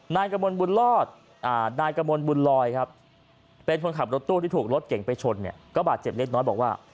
นายกระมวลบุญลอยเป็นคนขับรถตู้ที่ถูกรถเก่งไปชนก็บาดเจ็บเล็กน้อยบอกว่า